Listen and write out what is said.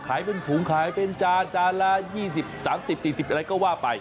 ขายเป็นถุงขายเป็นจานจานละ๒๐๓๐๔๐อะไรก็ว่าไป